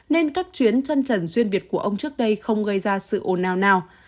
nên các chuyến chân trần duyên việt của ông trước đây không gây ra sự ồn ào nào